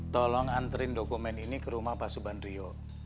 tolong anterin dokumen ini ke rumah pak subandrio